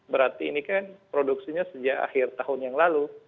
berarti ini kan produksinya sejak akhir tahun yang lalu